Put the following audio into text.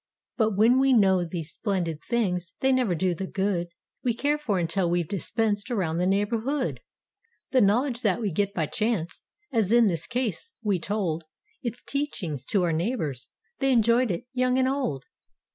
But when we know these splendid things, they never do the good We care for until we've dispensed around the neigh¬ borhood 62 The knowledge that we got by chance, as in this case, we told Its teachings to our neighbors. They enjoyed it— young and old.